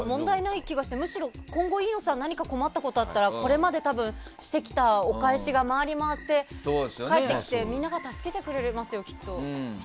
今後、飯野さんが何か困ったことがあったらこれまでしてきたお返しが回り回って返ってきて、みんなが助けてくれますよきっと。